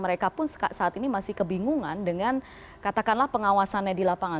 mereka pun saat ini masih kebingungan dengan katakanlah pengawasannya di lapangan